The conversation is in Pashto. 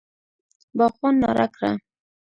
باغوان ناره کړه!